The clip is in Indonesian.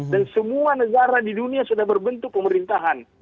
dan semua negara di dunia sudah berbentuk pemerintahan